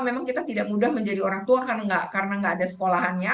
memang kita tidak mudah menjadi orang tua karena nggak ada sekolahannya